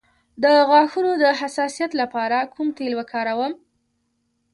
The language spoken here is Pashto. د غاښونو د حساسیت لپاره کوم تېل وکاروم؟